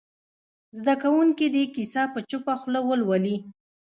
زده کوونکي دې کیسه په چوپه خوله ولولي.